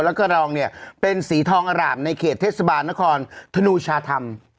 แล้วก็รองเนี่ยเป็นสีทองอร่ามในเขตเทศบาลนครธนูชาธรรม